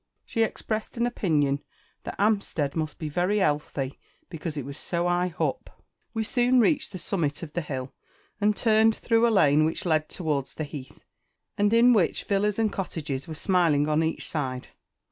She expressed an opinion that 'Amstead must be very 'ealthy, because it was so 'igh _h_up. We soon reached the summit of the hill, and turned through a lane which led towards the Heath, and in which villas and cottages were smiling on each side.